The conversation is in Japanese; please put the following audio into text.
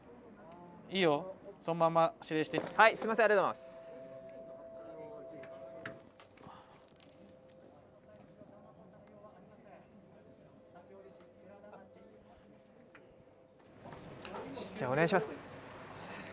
よしじゃあお願いします。